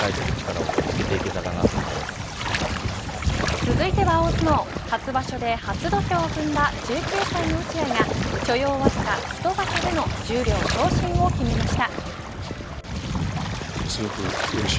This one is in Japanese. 続いては大相撲初場所で初土俵を踏んだ１９歳の落合が所要わずか１場所での十両昇進を決めました。